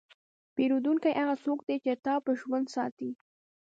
پیرودونکی هغه څوک دی چې تا په ژوند ساتي.